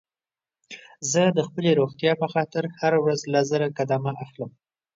زه د خپلې روغتيا په خاطر هره ورځ لس زره قدمه اخلم